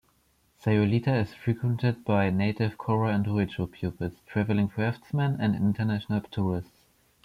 Sayulita is frequented by native Cora and Huichol peoples, traveling craftsmen, and international tourists.